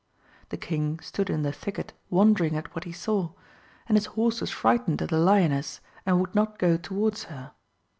The king stood in the thicket wondering at what he saw, and his horse was frightened at the lioness and would not go towards her.